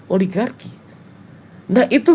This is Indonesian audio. oligarki nah itu